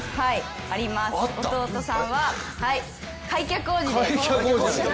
弟さんは開脚王子です。